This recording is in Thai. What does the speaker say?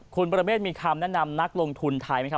คุณประเมฆมีคำแนะนำนักลงทุนไทยไหมครับ